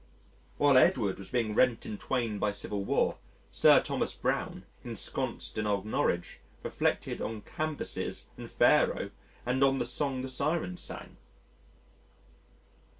While England was being rent in twain by civil war, Sir Thomas Browne, ensconced in old Norwich, reflected on Cambyses and Pharaoh and on the song the Sirens sang.